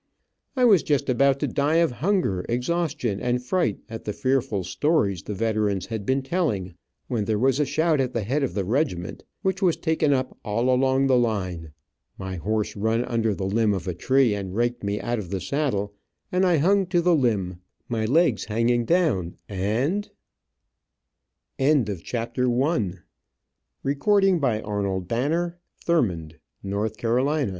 I was just about to die of hunger, exhaustion, and fright at the fearful stories the veterans had been telling, when there was a shout at the head of the regiment, which was taken up all along the line, my horse run under the limb of a tree and raked me out of the saddle, and I hung to the limb, my legs hanging down, and CHAPTER II. I Am Rudely Awakened from Dreams of Home I Go on Picket The